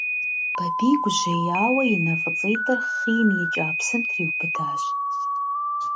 Бабий гужьеяуэ и нэ фӀыцӀитӀыр хъийм икӀа псым триубыдащ.